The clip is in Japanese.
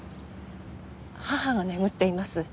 母が眠っています。